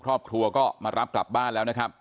ครอบครัวก็มารับกลับบ้านแล้วนะครับ